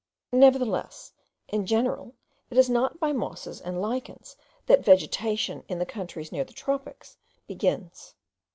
Nevertheless, in general, it is not by mosses and lichens that vegetation in the countries near the tropics begins.